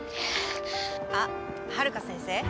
あっはるか先生？